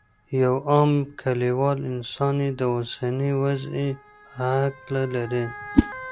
یو عام کلیوال انسان یې د اوسنۍ وضعې په هکله لري.